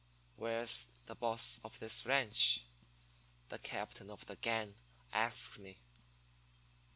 "'Where's the boss of this ranch?' the captain of the gang asks me.